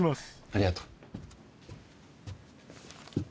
ありがとう。